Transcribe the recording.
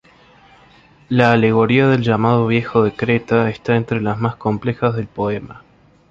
La alegoría del llamado "Viejo de Creta" está entre las más complejas del poema.